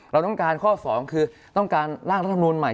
เราต้องการข้อ๒คือต้องการร่างรัฐมนูลใหม่